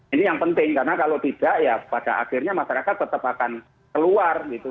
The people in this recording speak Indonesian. ini yang penting karena kalau tidak ya pada akhirnya masyarakat tetap akan keluar gitu